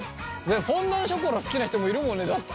フォンダンショコラ好きな人もいるもんねだって。